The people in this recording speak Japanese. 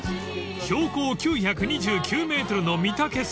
［標高９２９ｍの御岳山。